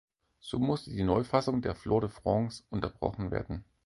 So musste die Neufassung der Flore de France unterbrochen werden.